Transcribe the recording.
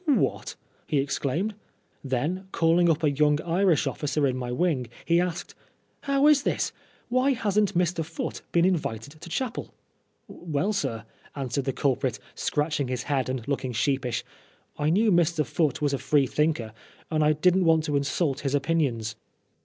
" What !" he exclaimed. Then, call ing up a young Irish officer in my wing, he asked " How is this ? Why hasn't Mr. Foote been invited to chapel ?"" Well, sir," answered the culprit, scratching his head and looking sheepish, "I knew Mr. Foote was a Free thinker, and I didn't want to insult his opinions."